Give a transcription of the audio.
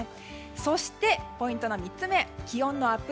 そして、ポイントの３つ目気温のアップ